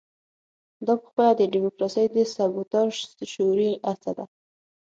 دا پخپله د ډیموکراسۍ د سبوتاژ شعوري هڅه ده.